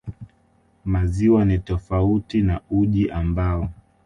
maziwa ni tofautiana na uji ambao